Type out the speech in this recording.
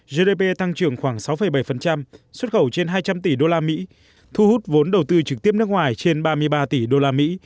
gdp tăng trưởng khoảng sáu bảy xuất khẩu trên hai trăm linh tỷ usd thu hút vốn đầu tư trực tiếp nước ngoài trên ba mươi ba tỷ usd